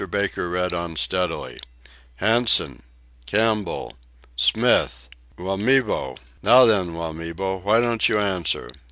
Baker read on steadily: "Hansen Campbell Smith Wamibo. Now, then, Wamibo. Why don't you answer?